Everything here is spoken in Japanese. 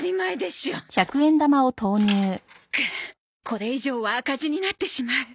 これ以上は赤字になってしまう。